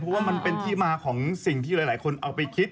เพราะว่ามันเป็นที่มาของสิ่งที่หลายคนเอาไปคิด